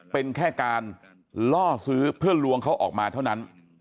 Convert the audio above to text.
เป็นแค่การล่อซื้อเพื่อลวงเขาออกมาเท่านั้น